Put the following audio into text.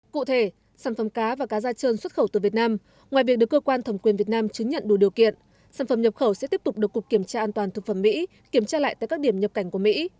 cụ thể sản phẩm cá và cá da trơn xuất khẩu từ việt nam ngoài việc được cơ quan thẩm quyền việt nam chứng nhận đủ điều kiện sản phẩm nhập khẩu sẽ tiếp tục được cục kiểm tra an toàn thực phẩm mỹ kiểm tra lại tại các điểm nhập cảnh của mỹ